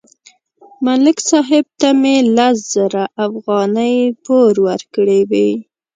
ملک صاحب ته مې لس زره افغانۍ پور ورکړې وې